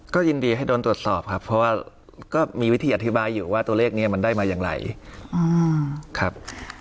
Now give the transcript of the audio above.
ก็ยินดีให้โดนตรวจสอบครับเพราะว่าก็มีวิธีอธิบายอยู่ว่าตัวเลขนี้มันได้มาอย่างไรครับ